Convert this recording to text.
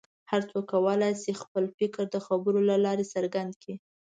هر څوک کولی شي چې خپل فکر د خبرو له لارې څرګند کړي.